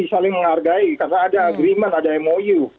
saling menghargai karena ada agreement ada mou